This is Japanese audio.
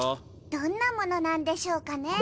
どんなものなんでしょうかね。